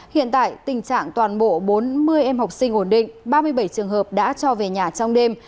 hiện tại tình trạng toàn bộ bốn mươi em học sinh ổn định ba mươi bảy trường hợp đã cho về nhà trong đêm